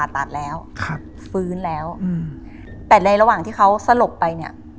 แต่ในระหว่างที่เขาสลบไป